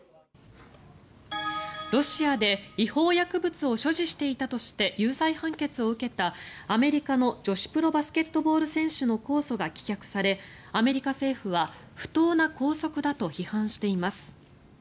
ロシアで違法薬物を所持していたとして有罪判決を受けたアメリカの女子プロバスケットボール選手の控訴が棄却されアメリカ政府は不当な拘束だと批判しています。